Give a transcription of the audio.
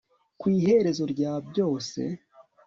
ku iherezo rya byose